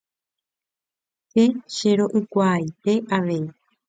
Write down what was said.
Che chero'ykuaaite avei.